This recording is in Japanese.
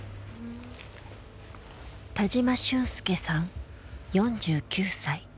田嶋俊介さん４９歳。